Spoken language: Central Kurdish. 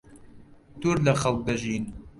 دوور لەخەڵک دەژین.